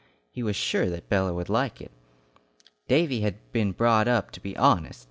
He was sure that Bella would like it. Davy had been brought up to be honest.